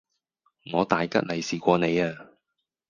我大吉利是過你呀!